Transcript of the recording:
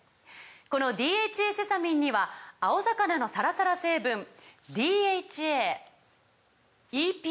この「ＤＨＡセサミン」には青魚のサラサラ成分ＤＨＡＥＰＡ